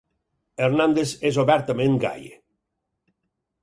Hernandez és obertament gai.